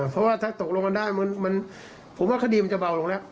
เพราะว่าถ้าตกลงกันได้ผมว่าคดีมันจะเบาลงแล้ว